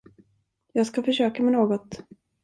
Jag ska försöka med något.